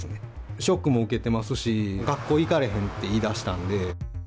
ショックも受けてますし、学校行かれへんって言いだしたんで。